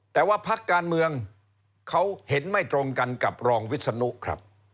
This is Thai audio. แต่ว่าพักการเมืองเขาเห็นไม่ตรงกันกับรองวิศนุครับ